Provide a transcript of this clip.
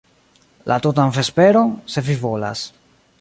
La tutan vesperon, se vi volas.